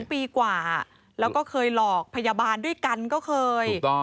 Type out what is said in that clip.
ปีกว่าแล้วก็เคยหลอกพยาบาลด้วยกันก็เคย